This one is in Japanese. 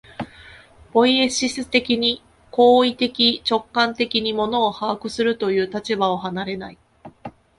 ポイエシス的に、行為的直観的に物を把握するという立場を離れない。